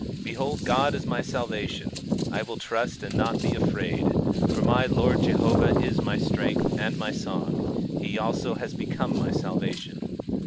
22:2 Behold, God is my salvation; I will trust, and not be afraid; for the Lord JEHOVAH is my strength and my song; he also has become my salvation.